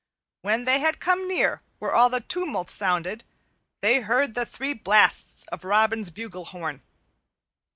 When they had come near where all the tumult sounded they heard the three blasts of Robin's bugle horn.